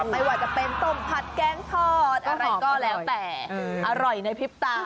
ไม่ว่าจะเป็นต้มผัดแกงทอดอะไรก็แล้วแต่อร่อยในพริบตา